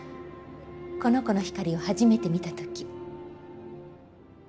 この子の光を初めて見た時。